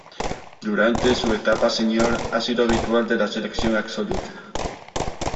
Durante su etapa senior ha sido habitual de la selección absoluta.